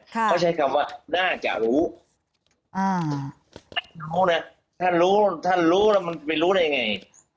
เขาใช้คำว่าน่าจะรู้ถ้ารู้แล้วมันไปรู้ได้ไง